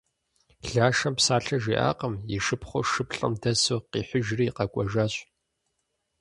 Лашэм псалъэ жиӏакъым, и шыпхъур шыплӏэм дэсу къихьыжри къэкӏуэжащ.